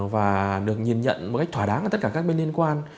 và được nhìn nhận một cách thỏa đáng ở tất cả các bên liên quan